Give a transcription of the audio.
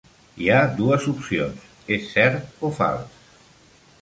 Hi ha dues opcions: és cert o fals.